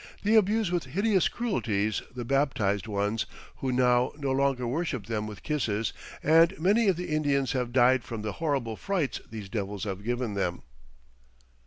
They abuse with hideous cruelties the baptized ones who now no longer worship them with kisses, and many of the Indians have died from the horrible frights these devils have given them."